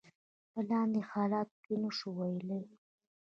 په لاندې حالاتو کې نشو ویلای.